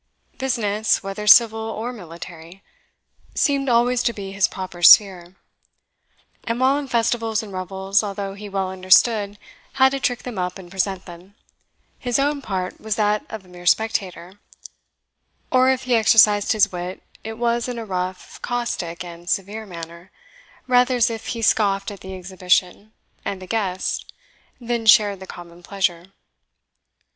Business, whether civil or military, seemed always to be his proper sphere; and while in festivals and revels, although he well understood how to trick them up and present them, his own part was that of a mere spectator; or if he exercised his wit, it was in a rough, caustic, and severe manner, rather as if he scoffed at the exhibition and the guests than shared the common pleasure.